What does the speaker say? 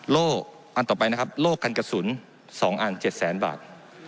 โล่ออันต่อไปนะครับโลกกันกระสุน๒อัน๗แสนบาท